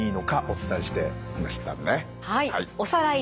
はい。